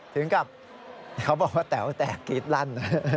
ถึงกับเขาบอกว่าแต๋วแตกกรี๊ดลั่น